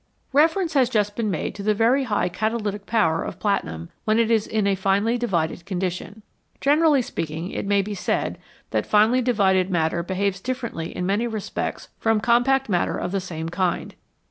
Reference has just been made to the very high cata lytic power of platinum when it is in a finely divided condition. Generally speaking, it may be said that finely divided matter behaves differently in many respects from compact matter of the same kind.